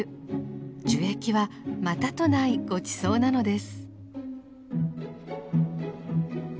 樹液はまたとないごちそうなのです。